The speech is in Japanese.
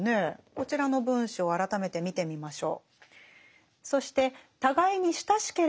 こちらの文章を改めて見てみましょう。